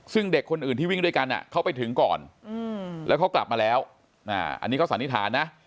ซึ่งเด็กคนอื่นที่วิ่งด้วยกันเขาไปถึงก่อนแล้วเขากลับมาแล้วอันนี้เขาสันนิษฐานนะ